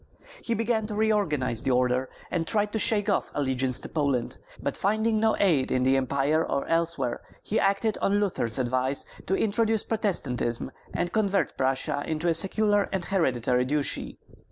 He began to reorganize the order, and tried to shake off allegiance to Poland; but finding no aid in the Empire or elsewhere, he acted on Luther's advice to introduce Protestantism and convert Prussia into a secular and hereditary duchy.